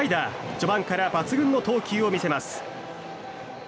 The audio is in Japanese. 序盤から抜群の投球を見せます。